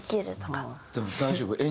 でも大丈夫？